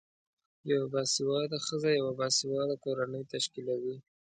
یوه باسیواده خځه یوه باسیواده کورنۍ تشکلوی